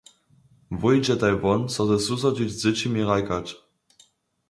Wój dźetaj won so ze susodźic dźěćimi hrajkać.